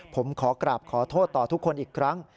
ผมขอกราบขอโทษต่อทุกคนอีกครั้ง